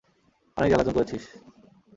অনেক জ্বালাতন করেছিস।